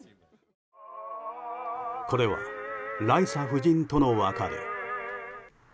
これはライサ夫人との別れ。